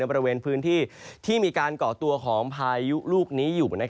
บริเวณพื้นที่ที่มีการก่อตัวของพายุลูกนี้อยู่